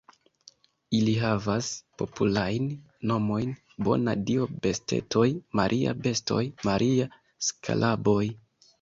Ili havas popolajn nomojn: Bona-Dio-bestetoj, Maria-bestoj, Maria-skaraboj.